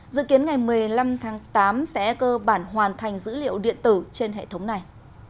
dự kiến ngày một mươi năm tháng tám sẽ cơ bản hoàn thành dữ liệu điện tử trên hệ thống này